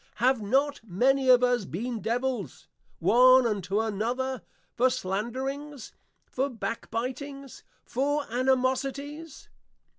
Have not many of us been Devils one unto another for Slanderings, for Backbitings, for Animosities?